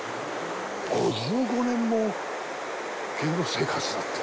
５５年も芸能生活だって。